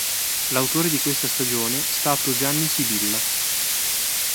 L'autore di questa stagione stato Gianni Sibilla.